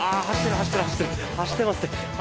走ってますね。